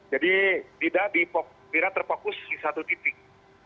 jadi tidak terfokus di satu titik